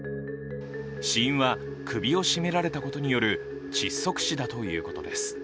死因は首を絞められたことによる窒息死だということです。